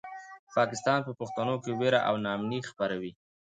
پاکستان په پښتنو کې وېره او ناامني خپروي.